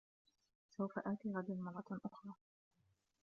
سوف آتي غدا مرة أخرى